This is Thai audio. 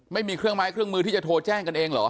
ไม่มีเครื่องไม้เครื่องมือที่จะโทรแจ้งกันเองเหรอ